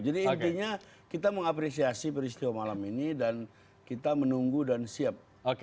jadi intinya kita mengapresiasi peristiwa malam ini dan kita menunggu dan siap